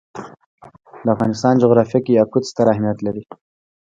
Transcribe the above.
د افغانستان جغرافیه کې یاقوت ستر اهمیت لري.